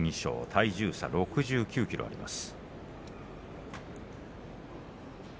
体重差６９ｋｇあります。